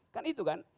kan itu kan